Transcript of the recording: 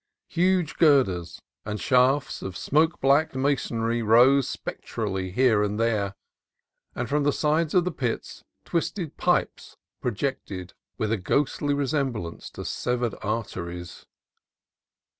Huge girders and SAN FRANCISCO 243 shafts of smoke blackened masonry rose spectrally here and there, and from the sides of the pits twisted pipes projected with a ghastly resemblance to sev ered arteries.